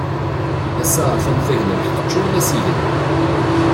Ass-a a-t-an tagnawt teččur d asigna.